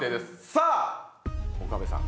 さあ岡部さん。